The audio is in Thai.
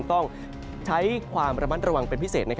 ต้องใช้ความระมัดระวังเป็นพิเศษ